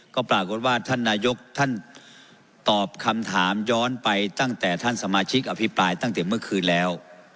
ก็ปรากฏว่าท่านนายกท่านตอบคำถามย้อนไปตั้งแต่ท่านสมาชิกอภิปรายตั้งแต่เมื่อคืนแล้ว